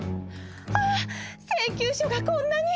『あっ請求書がこんなに！